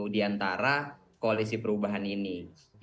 di antara koalisi perubahan ini